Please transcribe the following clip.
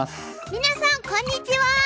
皆さんこんにちは。